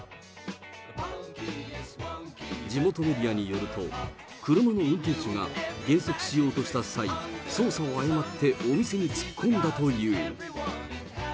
地元メディアによると、車の運転手が減速しようとした際、操作を誤ってお店に突っ込んだという。